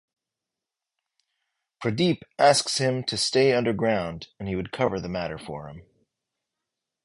Pradeep asks him to stay underground and he would cover the matter for him.